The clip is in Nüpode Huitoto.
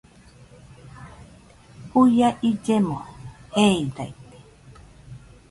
Juia illeno jeeidaite